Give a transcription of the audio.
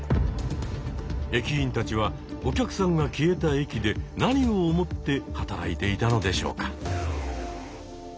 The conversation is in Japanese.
駅員たちはお客さんが消えた駅で何を思って働いていたのでしょうか？